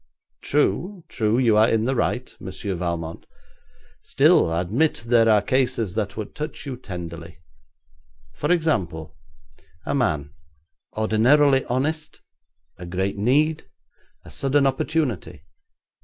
'True, true, you are in the right, Monsieur Valmont Still, admit there are cases that would touch you tenderly. For example, a man, ordinarily honest; a great need; a sudden opportunity.